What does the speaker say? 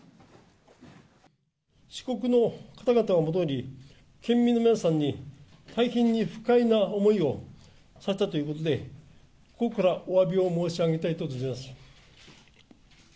四国の方々はもとより、県民の皆さんに大変に不快な思いをさせたということで、心からおわびを申し上げたいと存じます。